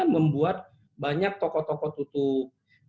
membuat banyak toko toko tutup